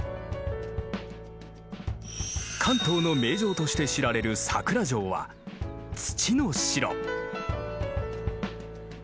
関東の名城として知られる佐倉城は「土の城」。